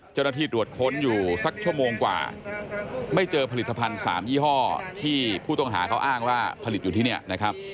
เจ้าหน้าที่ตรวจค้นอยู่สักชั่วโมงกว่าไม่เจอผลิตภัณฑ์๓ยี่ห้อที่ผู้ต้องหาเขาอ้างว่าผลิตอยู่ที่นี่นะครับ